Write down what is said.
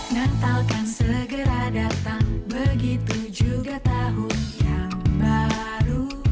natalkan segera datang begitu juga tahun yang baru